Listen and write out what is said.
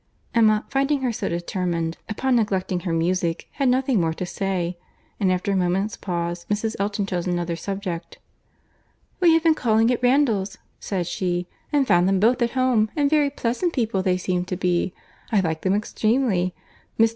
Emma, finding her so determined upon neglecting her music, had nothing more to say; and, after a moment's pause, Mrs. Elton chose another subject. "We have been calling at Randalls," said she, "and found them both at home; and very pleasant people they seem to be. I like them extremely. Mr.